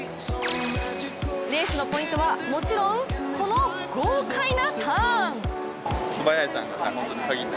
レースのポイントはもちろんこの豪快なターン。